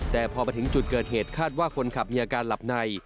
แต่พอมาถึงจุดเกิดเหตุคาดว่าคนขับมีอาการหลับใน